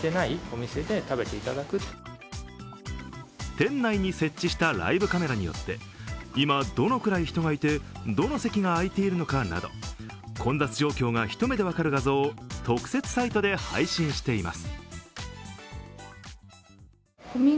店内に設置したライブカメラによって、今、どのくらい人がいてどの席が空いているかなど混雑状況が一目で分かる画像を特設サイトで配信しています。